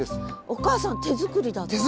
お母さん手作りだったの？